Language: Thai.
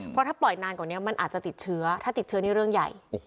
เพราะถ้าปล่อยนานกว่านี้มันอาจจะติดเชื้อถ้าติดเชื้อนี่เรื่องใหญ่